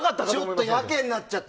ちょっとやけになっちゃった。